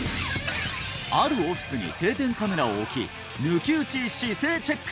あるオフィスに定点カメラを置き抜き打ち姿勢チェック！